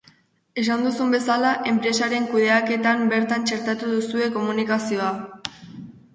Esan duzun bezala, enpresaren kudeaketan bertan txertatu duzue komunikazioa.